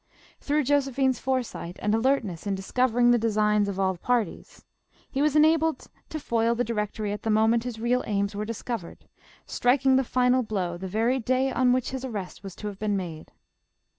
Through Jo sephine's foresight and alertness in discovering the de signs of all parties, he was enabled to foil the Direc tory at the moment his real aims were discovered; striking the final blow the very day on which his ar rest was to have been made.